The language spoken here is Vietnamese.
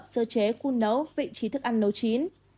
sơ chế khu nấu vị trí thức ăn nấu chín